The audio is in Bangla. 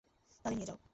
তাদের নিয়ে যাও।